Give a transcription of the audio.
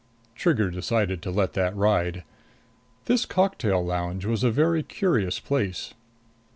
Trigger decided to let that ride. This cocktail lounge was a very curious place.